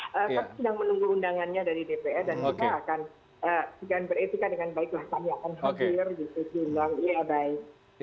saya sedang menunggu undangannya dari dpr dan juga akan beresika dengan baiklah kami akan mengatur diundang